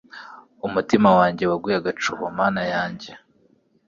Umutima wanjye waguye agacuho Mana yanjye